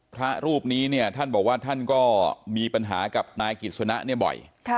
พระรูปนี้เนี่ยท่านบอกว่าท่านก็มีปัญหากับนายกิจสนะเนี่ยบ่อย